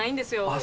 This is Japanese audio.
あ！